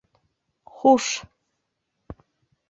— Хуш!..